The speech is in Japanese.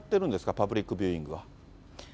パブリックビューイングは。